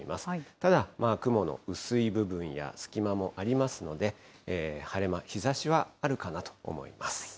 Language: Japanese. ただ、雲の薄い部分や隙間もありますので、晴れ間、日ざしはあるかなと思います。